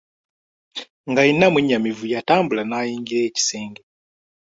Nga yenna mwennyamivu yatambula n'ayingira ekisenge.